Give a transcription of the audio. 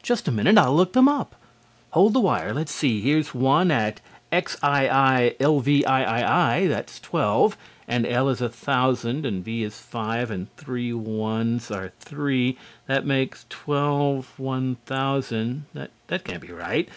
"Just a minute I'll look them up. Hold the wire.... Let's see, here's one at XII:LVIII, that's twelve, and L is a thousand and V is five and three I's are three; that makes 12:one thousand.... that can't be right....